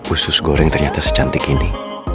usus goreng ternyata secantik ini